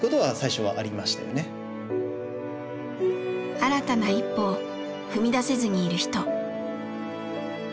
新たな一歩を踏み出せずにいる人。